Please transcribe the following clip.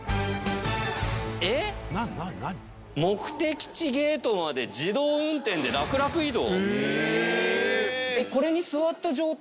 「目的地ゲートまで自動運転でラクラク移動」？